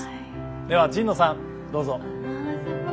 では神野さんどうぞ。